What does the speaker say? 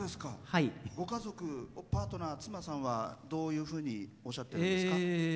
ご家族、パートナー妻さんは、どういうふうにおっしゃってるんですか？